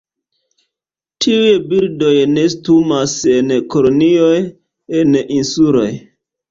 Tiuj birdoj nestumas en kolonioj en insuloj.